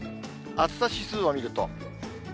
暑さ指数を見ると。